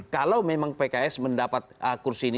kalau memang pks mendapat kursi ini